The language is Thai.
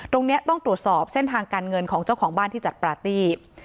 ตรงนี้ต้องตรวจสอบเส้นทางการเงินของเจ้าของบ้านที่จัดปาร์ตี้